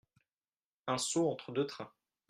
Un saut entre deux trains !